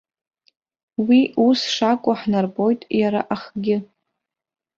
Уи ус шакәу ҳнарбоит иара ахгьы.